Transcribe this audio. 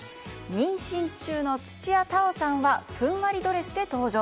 妊娠中の土屋太鳳さんはふんわりドレスで登場。